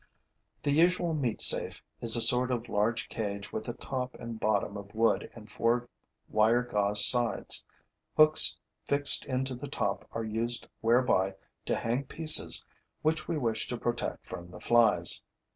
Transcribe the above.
The usual meat safe is a sort of large cage with a top and bottom of wood and four wire gauze sides. Hooks fixed into the top are used whereby to hang pieces which we wish to protect from the flies.